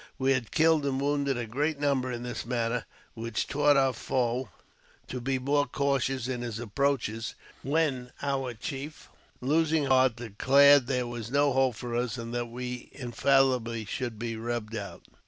We had killed and wounded a great number in this manner, which taught our foe to be more cautious in his ap proaches ; when our chief, losing heart, declared there was no hope for us, and that we infalUbly should be all "rubbed out."